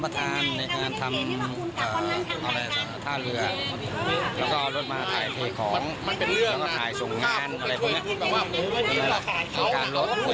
ถ้ารู้ว่ารถไปจำนำจะปล่อยกับนางอีฟ